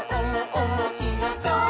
おもしろそう！」